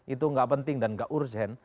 itu gak penting dan gak urgen